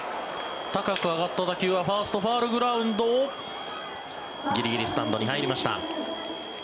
高く上がった打球はファーストファウルグラウンドギリギリスタンドに入りました。